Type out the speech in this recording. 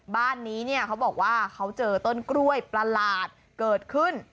บ้านนี้เนี่ยเขาบอกว่าเขาเจอต้นกล้วยประหลาดเกิดขึ้น